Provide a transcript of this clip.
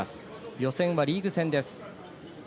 予選はリーグ戦です。